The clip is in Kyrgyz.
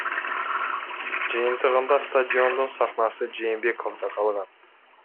Жыйынтыгында стадиондун сахнасы Жээнбековдо калган.